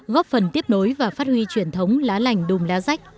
góp phần tiếp nối và phát huy truyền thống lá lành đùm lá rách